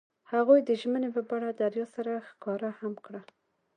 هغوی د ژمنې په بڼه دریا سره ښکاره هم کړه.